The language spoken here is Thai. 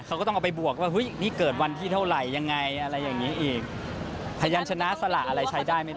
เขาก็ต้องเอาไปบวกว่านี่เกิดวันที่เท่าไรยังไง